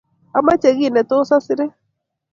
Amache kiy netos asirei